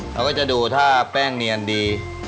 เขาก็จะดูถ้าแป้งเนียนดี